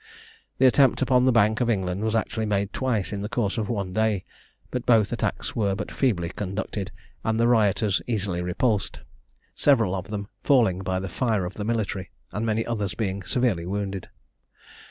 The attempt upon the Bank of England was actually made twice in the course of one day; but both attacks were but feebly conducted, and the rioters easily repulsed, several of them falling by the fire of the military, and many others being severely wounded.